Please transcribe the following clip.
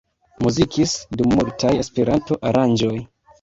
Muzikis dum multaj Esperanto-aranĝoj.